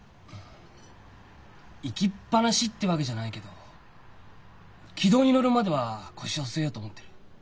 行きっ放しってわけじゃないけど軌道に乗るまでは腰を据えようと思ってる。